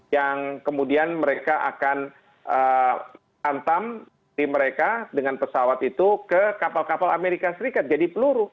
yang kemudian mereka akan antam mereka dengan pesawat itu ke kapal kapal amerika serikat jadi peluru